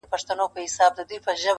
نه مي مخي ته دېوال سي درېدلاى-